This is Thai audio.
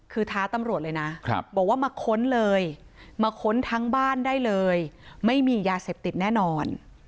คือท้าตำรวจเลยนะบอกว่ามาค้นเลยมาค้นทั้งบ้านได้เลยไม่มียาเสพติดแน่นอน